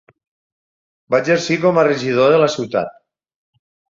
Va exercir com a regidor de la ciutat.